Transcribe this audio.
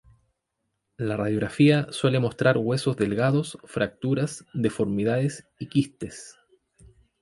La radiografía suele mostrar huesos delgados, fracturas, deformidades y quistes.